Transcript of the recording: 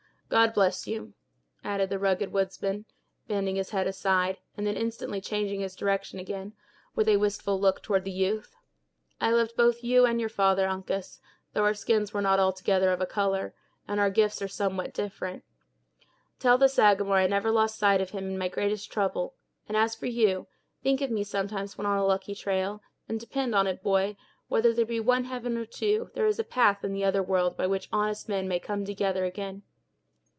God bless you," added the rugged woodsman, bending his head aside, and then instantly changing its direction again, with a wistful look toward the youth; "I loved both you and your father, Uncas, though our skins are not altogether of a color, and our gifts are somewhat different. Tell the Sagamore I never lost sight of him in my greatest trouble; and, as for you, think of me sometimes when on a lucky trail, and depend on it, boy, whether there be one heaven or two, there is a path in the other world by which honest men may come together again.